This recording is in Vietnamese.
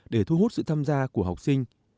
để thu hút sự tham gia của học sinh